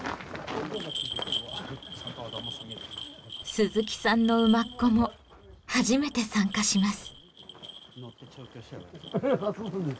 鈴木さんの馬コも初めて参加します。